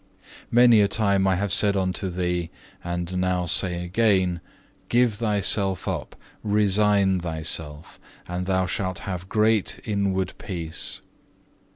5. "Many a time I have said unto thee, and now say again, Give thyself up, resign thyself, and thou shalt have great inward peace.